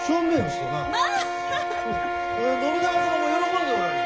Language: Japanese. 信長様も喜んでおられる。